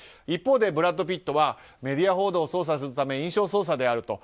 一方でブラッド・ピットはメディア報道を操作するための印象操作である。